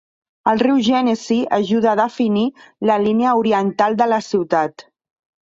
El riu Genesee ajuda a definir la línia oriental de la ciutat.